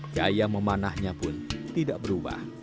gaya memanahnya pun tidak berubah